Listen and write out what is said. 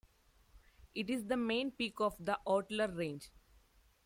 It is the main peak of the Ortler Range.